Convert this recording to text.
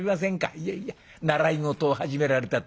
いやいや習い事を始められたと。